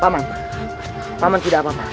paman paman tidak apa apa